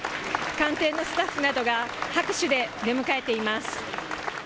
官邸のスタッフなどが拍手で出迎えています。